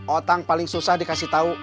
otang paling susah dikasih tau